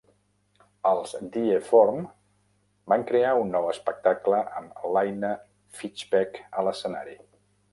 Els Die Form van crear un nou espectacle amb Laina Fischbeck a l'escenari.